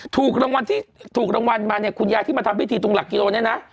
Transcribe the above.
ถูกรางวัลมาเนี่ยคุณยายที่มาทำพิธีตรงหลักกิโลนี้นะ